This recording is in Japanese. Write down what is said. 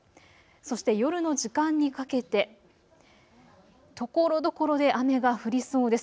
そして夜の時間にかけてところどころで雨が降りそうです。